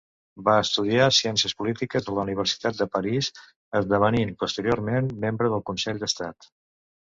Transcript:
Va estudiar ciències polítiques a la Universitat de París, esdevenint posteriorment membre del Consell d'Estat.